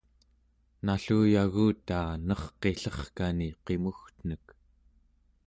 nalluyagutaa nerqillerkani qimugtenek